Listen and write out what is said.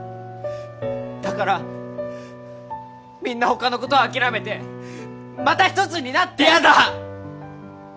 だからみんな他のことは諦めてまたひとつになって嫌だ！